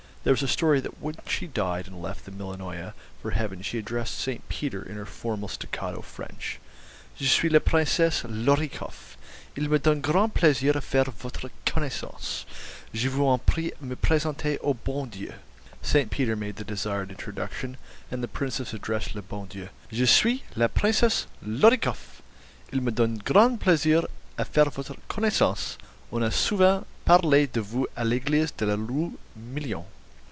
There was a story that when she died and left the Millionaya for Heaven she addressed St. Peter in her formal staccato French: 'Je suis la Princesse Lor i koff. Il me donne grand plaisir à faire votre connaissance. Je vous en prie me présenter au Bon Dieu.' St. Peter made the desired introduction, and the Princess addressed le Bon Dieu: 'Je suis la Princesse Lor i koff. Il me donne grand plaisir à faire votre connaissance. On a souvent parlé de vous à l'église de la rue Million.